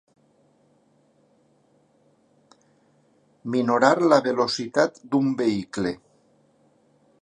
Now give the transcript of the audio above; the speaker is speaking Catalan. Minorar la velocitat d'un vehicle.